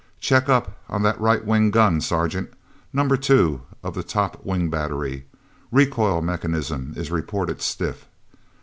"Check up on that right wing gun, Sergeant—number two of the top wing battery. Recoil mechanism is reported stiff....